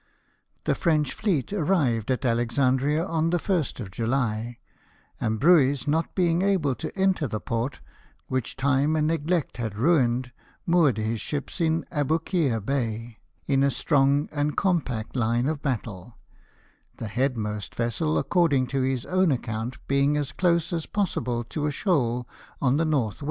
The French tieet arrived at Alex andria on the 1st of July ; and Brueys not being able to enter the port, which time and neglect had ruined, moored his ships in Aboukir Bay, in a strong and compact line of battle ; the headmost vessel, according to his own account, being as close as possible to a shoal on the N.W.